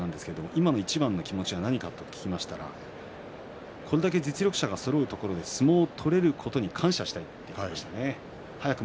今のいちばんの気持ちは何かと聞くとこれだけ実力者がそろうところで相撲を取ることができることに感謝していると言っていました。